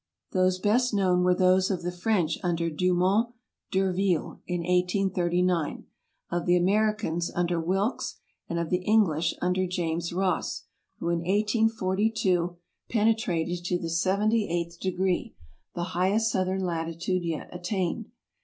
Those best known were those of the French under Dumont d'Urville in 1839, of the Americans under Wilkes, and of the English under James Ross, who in 1842 penetrated to AMERICA 93 the seventy eighth degree, the highest southern latitude yet attained.